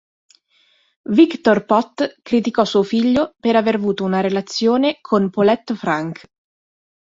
Victor Pot criticò suo figlio per aver avuto una relazione con Paulette Franck.